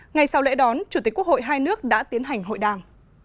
ngày sau lễ đón chủ tịch quốc hội hai nước đã tiến hành hội đàm